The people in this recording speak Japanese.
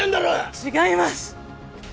違います